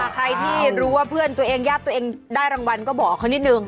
ใครที่รู้ว่าเพื่อนตัวเองญาติตัวเองได้รางวัลก็บอกเขานิดนึง